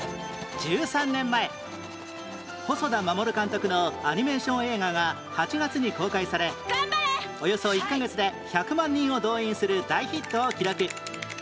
１３年前細田守監督のアニメーション映画が８月に公開されおよそ１カ月で１００万人を動員する大ヒットを記録